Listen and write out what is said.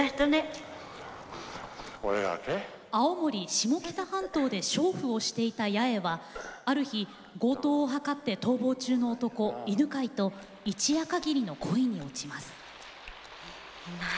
青森・下北半島でしょう婦をしていた八重はある日強盗を謀って逃亡中の男犬飼と一夜かぎりの恋に落ちます。